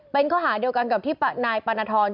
เป็นข้อหาเดียวกันกับที่นายปานทร